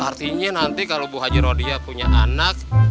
artinya nanti kalau bu haji rodiah punya anak